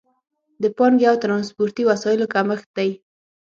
د پانګې او ترانسپورتي وسایلو کمښت دی.